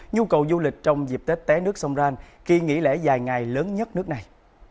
nhu cầu du lịch trong dịp tết té nước song ran khi nghỉ lễ dài ngày lớn nhất nước này